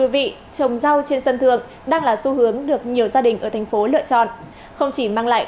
bên cạnh đó người dân có thể truy cập vào địa chỉ